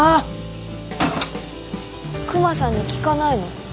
クマさんに聞かないの？